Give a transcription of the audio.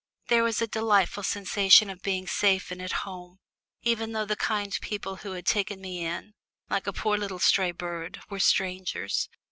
There was a delightful sensation of being safe and at home, even though the kind people who had taken me in, like a poor little stray bird, were strangers.